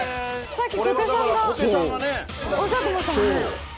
さっき小手さんがおっしゃってましたよね